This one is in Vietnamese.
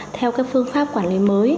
theo các phương pháp quản lý mới